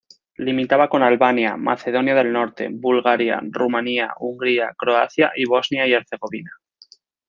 Limitaba con Albania, Macedonia del Norte, Bulgaria, Rumania, Hungría, Croacia y Bosnia y Herzegovina.